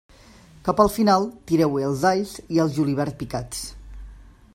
Cap al final, tireu-hi els alls i el julivert picats.